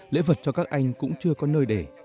lễ vật cho các anh cũng chưa có nơi để